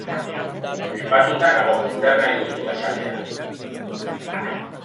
Flipatuta nago, zer nahi duzu esatea.